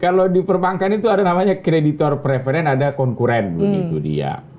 kalau di perbankan itu ada namanya kreditor preference ada konkuren begitu dia